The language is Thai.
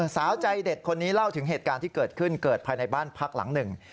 สาวใจเด็ดคนนี้เล่าถึงเหตุการณ์ที่เกิดขึ้นเกิดภายในบ้านพักหลังหนึ่ง